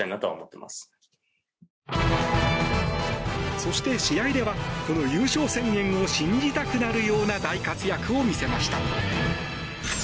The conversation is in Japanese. そして、試合ではこの優勝宣言を信じたくなるような大活躍を見せました。